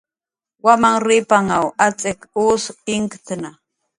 Wamanrripanw atz'ik us inktna